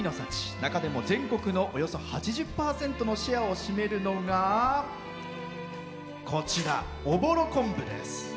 中でも全国のおよそ８０％のシェアを占めるのがおぼろ昆布です。